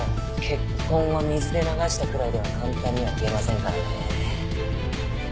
血痕は水で流したくらいでは簡単には消えませんからね。